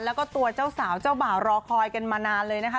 แล้วก็ตัวเจ้าสาวเจ้าบ่าวรอคอยกันมานานเลยนะคะ